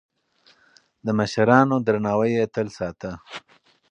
د مشرانو درناوی يې تل ساته.